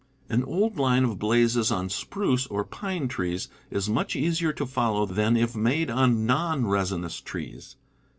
An old line of blazes on spruce or pine trees is much easier to follow than if made on non resinous trees, ^